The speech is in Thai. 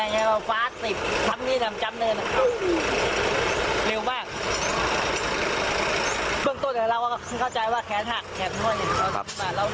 อยากมาประกันมาเต็มเลยครับ